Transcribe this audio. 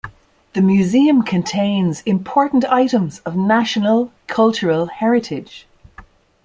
The museum contains important items of national cultural heritage.